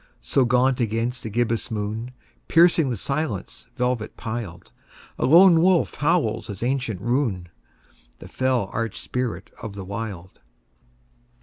So gaunt against the gibbous moon, Piercing the silence velvet piled, A lone wolf howls his ancient rune— The fell arch spirit of the Wild.